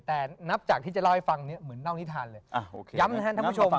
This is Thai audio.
แต่นับจากที่จะเล่าให้ฟังเหมือนเล่านิทานเลย